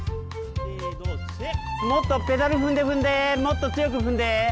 もっとペダル踏んで踏んでもっと強く踏んで。